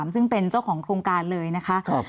ซึ่งเป็นเจ้าของโครงการเลยนะคะ